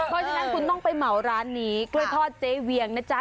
เพราะฉะนั้นคุณต้องไปเหมาร้านนี้กล้วยทอดเจ๊เวียงนะจ๊ะ